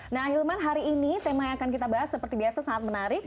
nah hilman hari ini tema yang akan kita bahas seperti biasa sangat menarik